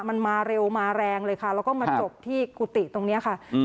มันมาเร็วมาแรงเลยค่ะแล้วก็มาจบที่กุฏิตรงเนี้ยค่ะอืม